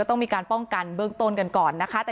ต้องมีการป้องกันเบื้องต้นกันก่อนนะคะ